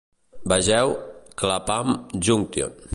Vegeu Clapham Junction.